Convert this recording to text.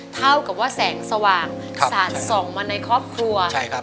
เท่ากับว่าแสงสว่างสาดส่องมาในครอบครัวใช่ครับ